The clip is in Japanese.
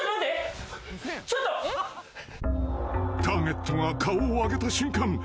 ［ターゲットが顔を上げた瞬間